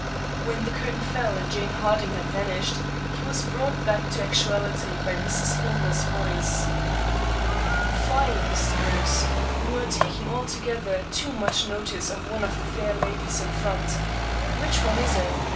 When the curtain fell and Jane Harding had vanished, he was brought back to actuality by Mrs. Hillmer's voice. "Fie, Mr. Bruce. You are taking altogether too much notice of one of the fair ladies in front. Which one is it?